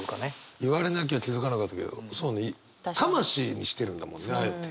言われなきゃ気付かなかったけどそうね魂にしてるんだもんねあえて。